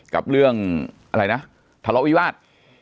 กับเรื่องทะเลาะวิวาส